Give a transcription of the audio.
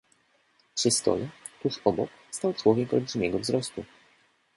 "Przy stole, tuż obok, stał człowiek olbrzymiego wzrostu."